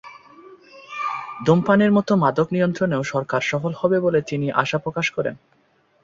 ধূমপানের মতো মাদক নিয়ন্ত্রণেও সরকার সফল হবে বলে তিনি আশা প্রকাশ করেন।